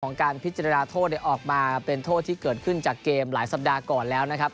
การพิจารณาโทษออกมาเป็นโทษที่เกิดขึ้นจากเกมหลายสัปดาห์ก่อนแล้วนะครับ